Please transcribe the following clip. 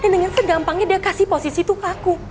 dan dengan segampangnya dia memberikan posisi itu ke aku